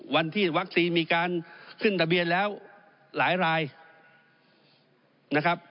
วันที่วัคซีนมีการขึ้นทะเบียนแล้วหลายรายนะครับ